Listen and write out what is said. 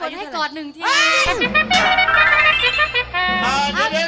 อ๋าเท่าไร